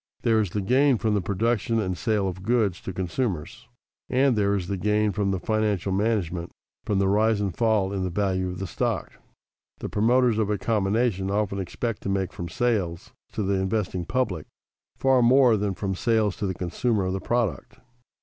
There is the gain from the production and sale of goods to consumers, and there is the gain from the financial management, from the rise and fall in the value of stock. The promoters of a combination often expect to make from sales to the investing public far more than from sales to the consumer of the product.